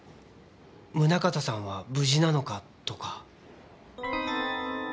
宗形さんは無事なのか？とか。